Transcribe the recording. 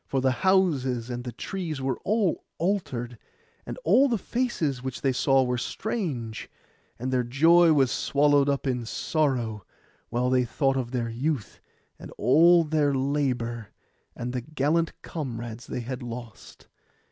For the houses and the trees were all altered; and all the faces which they saw were strange; and their joy was swallowed up in sorrow, while they thought of their youth, and all their labour, and the gallant comrades they had lost.